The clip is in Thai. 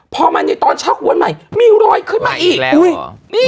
พอมาในตอนเช้าหัวใหม่มีรอยขึ้นมาอีก